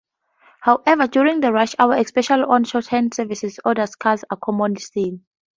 However, during rush hours, especially on shortened services, older cars are commonly seen.